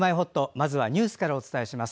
まずはニュースからお伝えします。